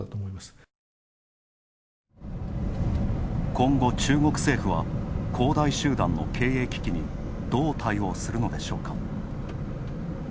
今後、中国政府は恒大集団の経営危機にどう対応するのでしょうか。